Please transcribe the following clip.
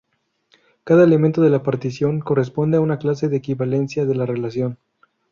Cada elemento de la partición corresponde a una clase de equivalencia de la relación.